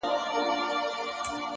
د ژوند مانا په ګټورو کارونو کې ده.